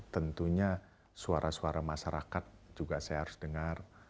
tentunya suara suara masyarakat juga saya harus dengar